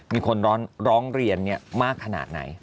มีคนร้องเรียนมากขนาดไหน